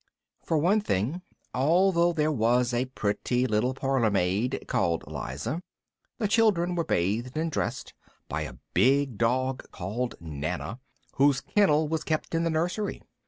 For one thing, although there was a pretty little parlour maid called Liza, the children were bathed and dressed by a big dog called Nana, whose kennel was kept in the nursery.